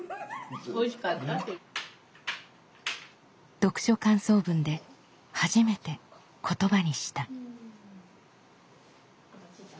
読書感想文で初めて言葉にした。